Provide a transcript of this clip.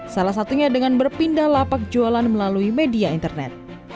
salah satunya dengan berpindah lapak jualan melalui media internet